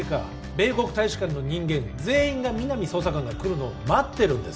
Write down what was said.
米国大使館の人間全員が皆実捜査官が来るのを待ってるんです